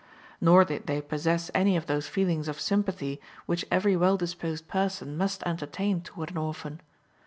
Nor did they possess any of those feelings of sympathy which every well disposed person must entertain toward an orphan.